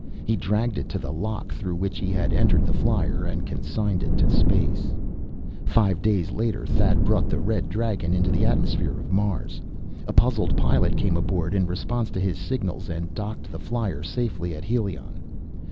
He dragged it to the lock through which he had entered the flier, and consigned it to space.... Five days later Thad brought the Red Dragon into the atmosphere of Mars. A puzzled pilot came aboard, in response to his signals, and docked the flier safely at Helion.